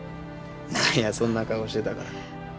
何やそんな顔してたから。